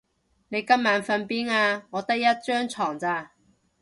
你今晚瞓邊啊？我得一張床咋